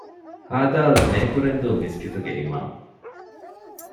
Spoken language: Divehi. ހދ. ނޭކުރެންދޫ މިސްކިތުގެ އިމާމު